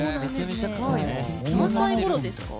何歳ころですか？